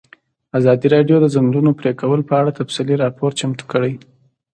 ازادي راډیو د د ځنګلونو پرېکول په اړه تفصیلي راپور چمتو کړی.